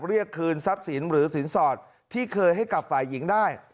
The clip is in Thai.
เรียกคืนทรัพย์สินหรือสินสอดที่เคยให้กับฝ่ายหญิงได้